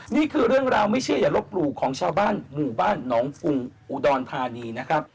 นี่คือเรื่องราวไม่เชื่ออย่าลบหลู่ของชาวบ้านหมู่บ้านหนองฟุงอุดรธานีนะครับ